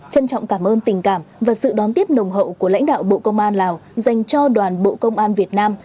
trân trọng cảm ơn tình cảm và sự đón tiếp nồng hậu của lãnh đạo bộ công an lào dành cho đoàn bộ công an việt nam